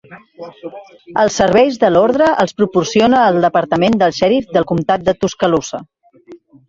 Els serveis de l'ordre els proporciona el departament del xèrif del comtat de Tuscaloosa.